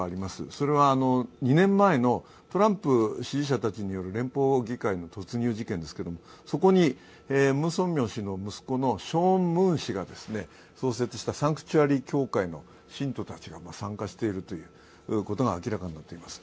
それは２年前のトランプ支持者たちによる連邦議会の突入事件ですけど、そこにムン・スンミョン氏の息子のショーン・ムン氏が創設したサンクチュアリ教会の信徒たちが参加していることが明らかになっています。